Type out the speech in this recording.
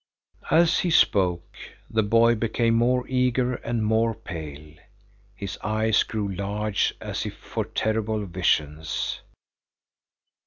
As he spoke, the boy became more eager and more pale, his eyes grew large as if for terrible visions.